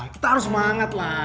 kita harus bersemangat